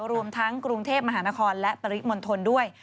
รวมทั้งกรุงเทพฯมหานครและปฤกษ์มนต์ธนด้วย